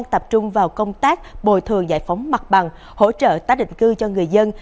trung vào công tác bồi thường giải phóng mặt bằng hỗ trợ tác định cư cho người dân